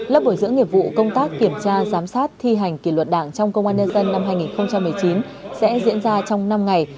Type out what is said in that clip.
lớp bồi dưỡng nghiệp vụ công tác kiểm tra giám sát thi hành kỷ luật đảng trong công an nhân dân năm hai nghìn một mươi chín sẽ diễn ra trong năm ngày